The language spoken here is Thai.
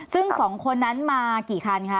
ซึ่ง๒คนนั้นมากี่คันคะ